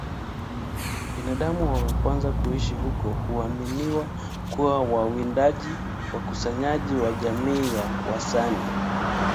Binadamu wa kwanza kuishi huko huaminiwa kuwa wawindaji wakusanyaji wa jamii ya Wasani